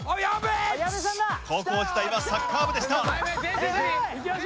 高校時代はサッカー部でした。